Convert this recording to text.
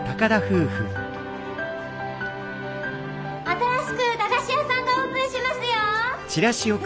新しく駄菓子屋さんがオープンしますよ！